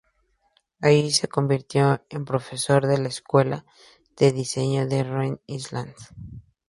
Allí se convirtió en profesor de la Escuela de Diseño de Rhode Island.